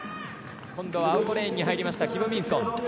今度はアウトレーンに入りましたキム・ミンソン。